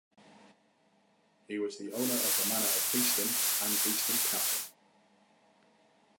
He was the owner of the manor of Beeston and Beeston Castle.